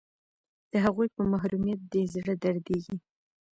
د هغوی په محرومیت دې زړه دردیږي